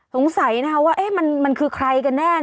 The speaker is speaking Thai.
สงสัยนะคะว่ามันคือใครกันแน่